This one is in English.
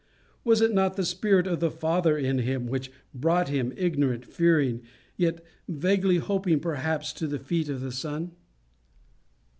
Was it not the spirit of the Father in him which brought him, ignorant, fearing, yet vaguely hoping perhaps, to the feet of the Son?